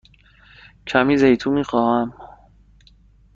کمی زیتون می خواهم.